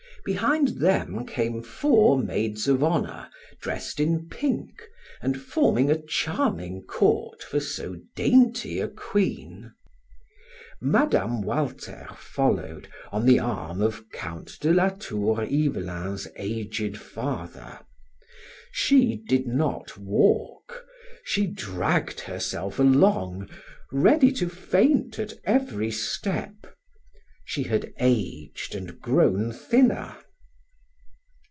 Behind them came four maids of honor dressed in pink and forming a charming court for so dainty a queen. Mme. Walter followed on the arm of Count de Latour Ivelin's aged father. She did not walk; she dragged herself along, ready to faint at every step. She had aged and grown thinner.